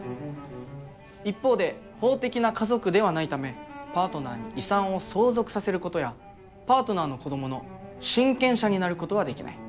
一方で法的な“家族”ではないためパートナーに遺産を相続させることやパートナーの子どもの親権者になることはできない。